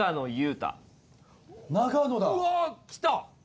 うわきた。